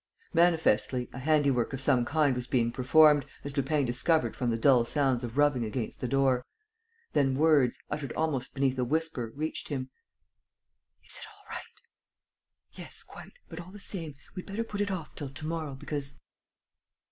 Manifestly, a handiwork of some kind was being performed, as Lupin discovered from the dull sounds of rubbing against the door. Then words, uttered almost beneath a whisper, reached him: "Is it all right?" "Yes, quite, but, all the same, we'd better put it off till to morrow, because...."